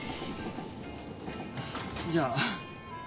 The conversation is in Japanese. じゃあ。